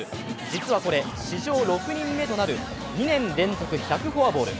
実はこれ、史上６人目となる２年連続１００フォアボール。